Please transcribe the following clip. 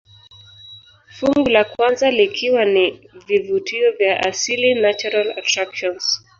Fungu la kwanza likiwa ni vivutio vya asili natural attractions